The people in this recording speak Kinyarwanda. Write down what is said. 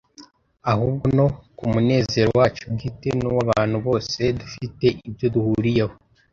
ahubwo no ku munezero wacu bwite n’uwo abantu bose dufite ibyo duhuriyeho